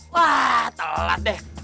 wah telat deh